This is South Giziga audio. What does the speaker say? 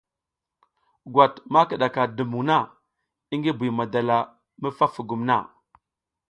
Gwat ma kiɗaka dumbuŋ na i ngi Buy madala mi fa fugum na.